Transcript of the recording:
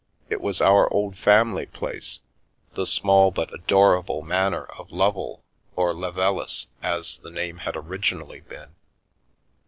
It was our old family place, the small but adorable manor of Lovel, or Levelis, as the name had originally been.